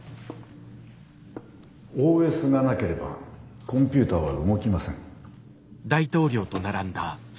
ＯＳがなければコンピューターは動きません。